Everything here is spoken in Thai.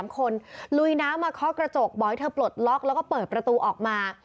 ๓คนลุยน้ำมาเคาะกระจกบอกให้เธอปลดล็อกแล้วก็เปิดประตูออกมา